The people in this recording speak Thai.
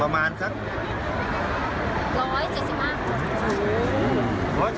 มากกันเยอะเหมือนกัน